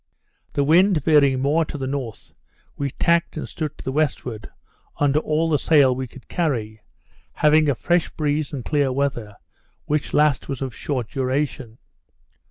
The wind veering more to the north, we tacked and stood to the westward under all the sail we could carry, having a fresh breeze and clear weather, which last was of short duration.